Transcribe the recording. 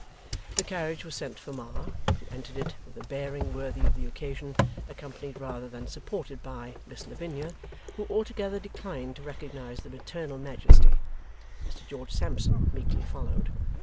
The carriage was sent for Ma, who entered it with a bearing worthy of the occasion, accompanied, rather than supported, by Miss Lavinia, who altogether declined to recognize the maternal majesty. Mr George Sampson meekly followed.